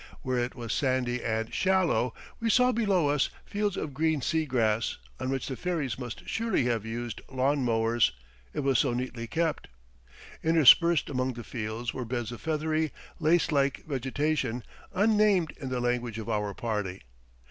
Where it was sandy and shallow we saw below us fields of green sea grass, on which the fairies must surely have used lawn mowers, it was so neatly kept. Interspersed among the fields were beds of feathery, lace like vegetation unnamed in the language of our party.